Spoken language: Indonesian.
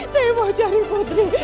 saya mau cari putri